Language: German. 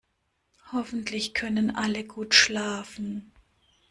Hoffentlich können alle gut schlafen.